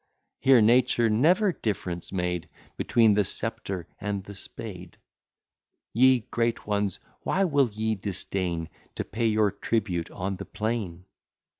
Here nature never difference made Between the sceptre and the spade. Ye great ones, why will ye disdain To pay your tribute on the plain?